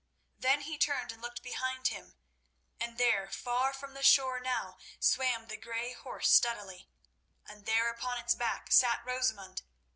Then he turned and looked behind him, and there, far from the shore now, swam the grey horse steadily, and there upon its back sat Rosamund.